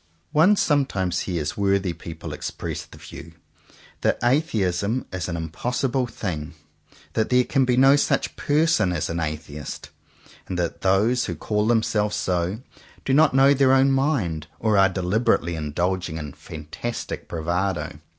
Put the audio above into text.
One sometimes hears worthy people ex press the view that Atheism is an impossible thing; that there can be no such person as an Atheist; and that those who call them 57 CONFESSIONS OF TWO BROTHERS selves so do not know their own minds, or are deliberately indulging in fantastic bravado.